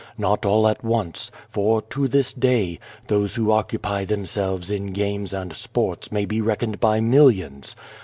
Not all at once, for, to this day, those who occupy themselves in games and sports may be reckoned by millions.